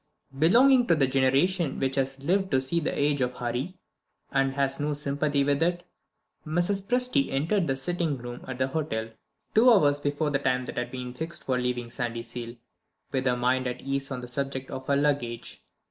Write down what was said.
Belonging to the generation which has lived to see the Age of Hurry, and has no sympathy with it, Mrs. Presty entered the sitting room at the hotel, two hours before the time that had been fixed for leaving Sandyseal, with her mind at ease on the subject of her luggage.